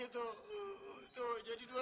tuh jadi dua ratus lima puluh